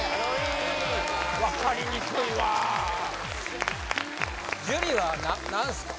分かりにくいわ樹は何すか？